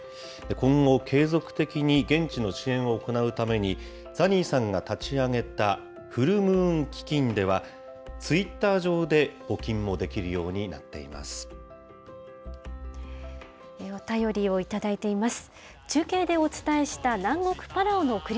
今後、継続的に現地の支援を行うために、ザニーさんが立ち上げた、フル・ムーン基金では、ツイッター上で募金もできるようになっています。